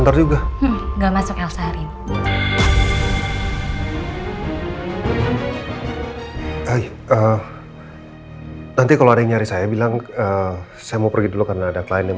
tante mana bu rossa atau bu sarah oh tadi mbak jessica bilang katanya tantang masuk rumah sakit ya